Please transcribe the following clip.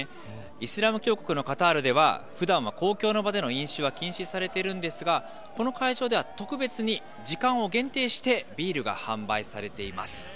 イスラム教国のカタールでは、ふだんは公共の場での飲酒は禁止されているんですが、この会場では特別に時間を限定してビールが販売されています。